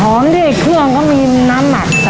หอมที่เครื่องก็มีน้ำหนักใส่